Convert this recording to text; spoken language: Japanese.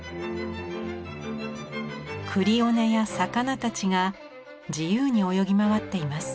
クリオネや魚たちが自由に泳ぎ回っています。